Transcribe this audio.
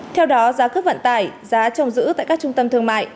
theo đó giá cước vận tải giá trồng giữ tại các trung tâm thương mại